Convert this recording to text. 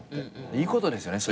いいことですよね